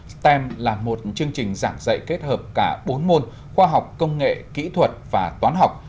stem là một chương trình giảng dạy kết hợp cả bốn môn khoa học công nghệ kỹ thuật và toán học